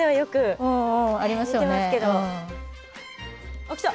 あっ来た。